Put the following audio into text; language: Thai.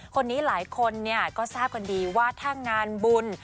คนนี้หลายคนก็ทราบกันดีว่าถ้างานบุญ